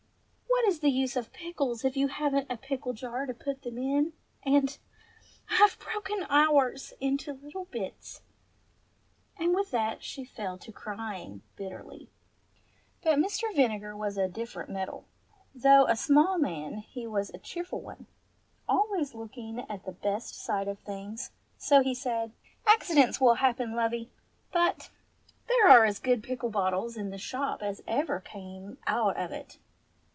What is the use of pickles if you haven't a pickle jar to put them in, and — I've broken ours — into little bits !" And with that she fell to crying bitterly. 194 MR. AND MRS. VINEGAR 195 But Mr. Vinegar was of different mettle ; though a small man, he was a cheerful one, always looking at the best side of things, so he said, "Accidents will happen, lovey ! But there are as good pickle bottles in the shop as ever came out of it.